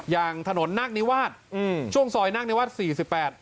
อย่างถนนนาคนิวาสช่วงซอยนาคนิวาสสี่สิบแปด